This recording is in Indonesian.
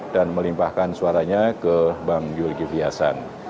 dan melimpahkan suaranya ke bang yul givyasan